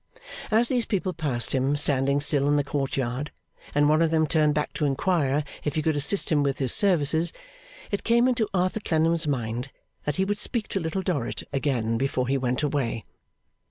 As these people passed him standing still in the court yard, and one of them turned back to inquire if he could assist him with his services, it came into Arthur Clennam's mind that he would speak to Little Dorrit again before he went away.